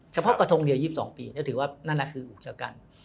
กระทงเดียว๒๒ปีถือว่านั่นแหละคืออุกชะกัน